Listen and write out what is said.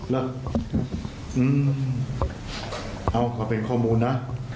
แล้วเอามาเป็นข้อมูลนะ